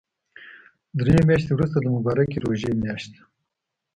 دري مياشتی ورسته د مبارکی ژوری مياشت ده